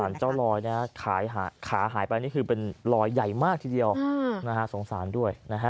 สงสารเจ้ารอยขาหายไปนี่คือเป็นรอยใหญ่มากทีเดียว